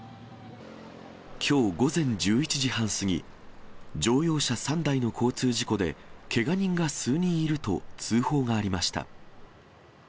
きょう午前１１時半過ぎ、乗用車３台の交通事故で、けが人が数人いると通報がありました。